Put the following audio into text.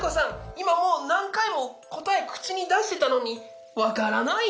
今もう何回も答え口に出してたのに分からないの？